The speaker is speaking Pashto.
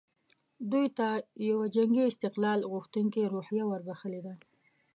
دوی ته یوه جنګي استقلال غوښتونکې روحیه وربخښلې ده.